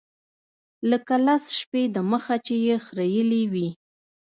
لکه لس شپې د مخه چې يې خرييلي وي.